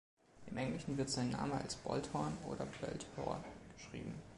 Im Englischen wird sein Name als Bolthorn oder Boelthor geschrieben.